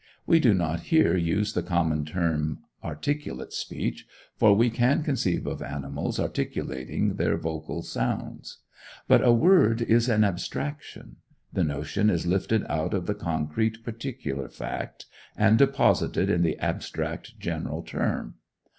We do not here use the common term "articulate speech," for we can conceive of animals articulating their vocal sounds. But "a word" is an abstraction. The notion is lifted out of the concrete particular fact, and deposited in the abstract general term.